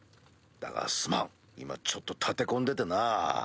だがすまん今ちょっと立て込んでてな。